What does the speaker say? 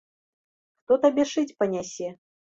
Хто табе шыць панясе?